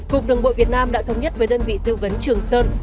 cục đường bộ việt nam đã thống nhất với đơn vị tư vấn trường sơn